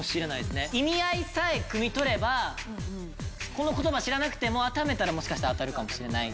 意味合いさえくみ取ればこの言葉知らなくても当てはめたらもしかしたら当たるかもしれない。